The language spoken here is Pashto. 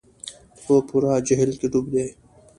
په پوره جهل کې ډوب دي.